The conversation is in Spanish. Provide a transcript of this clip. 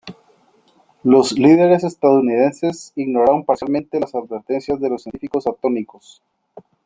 Los líderes estadounidenses ignoraron parcialmente las advertencias de los científicos atómicos.